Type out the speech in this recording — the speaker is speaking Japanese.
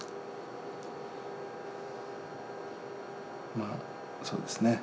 まあそうですね